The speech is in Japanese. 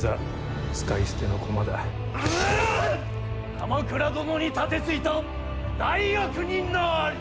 鎌倉殿に盾ついた大悪人なり！